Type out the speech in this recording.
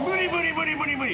無理無理無理。